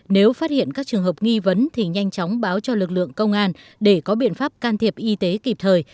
nếu phát hiện các trường hợp nghi vấn thì nhanh chóng báo cho lực lượng công an để có biện pháp can thiệp y tế kịp thời